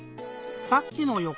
さっきのよ